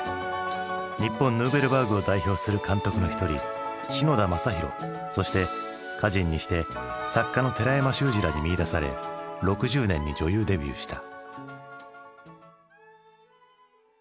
日本ヌーベルバーグを代表する監督の一人篠田正浩そして歌人にして作家の寺山修司らに見いだされ６０年に女優デビューした。